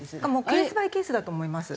ケースバイケースだと思います。